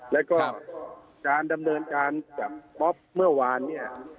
แล้วก็การดำเนินการกับป๊อปเมื่อวานเนี่ย